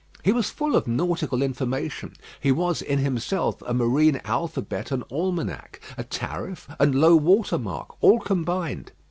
He was full of nautical information. He was, in himself, a marine alphabet and almanack, a tariff and low water mark, all combined.